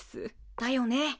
だよね。